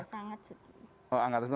sangat sedikit ya